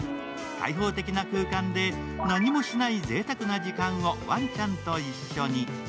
開放的な空間で何もしないぜいたくな時間をワンちゃんと一緒に。